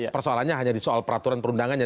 persoalannya hanya di soal peraturan perundangannya